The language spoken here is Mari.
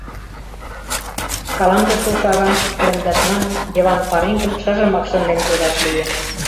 Шкаланже шошо агам куштылемдаш манын, Йыван пареҥгым шыжымак шынден кодаш лие.